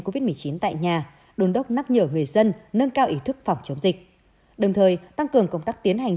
covid một mươi chín tại nhà đôn đốc nhắc nhở người dân nâng cao ý thức phòng chống dịch đồng thời tăng cường công tác tiến hành